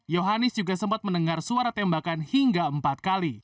yohanis juga sempat mendengar suara tembakan hingga empat kali